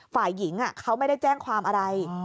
ฝ่ายหญิงเขาไม่ได้แจ้งความอะไร